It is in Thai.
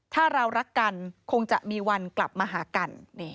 ถ้าเรารักกันคงจะมีวันกลับมาหากัน